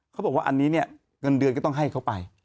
เขาบอกว่าอันนี้เนี่ยเงินเดือนก็ต้องให้เขาไป